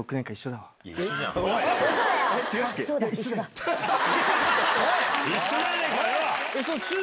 一緒じゃねえかよ！